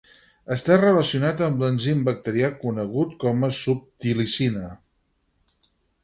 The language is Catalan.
Està relacionat amb l'enzim bacterià conegut com a subtilisina.